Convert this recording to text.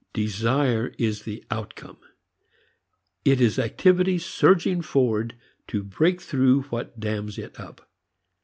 Desire is the outcome. It is activity surging forward to break through what dams it up.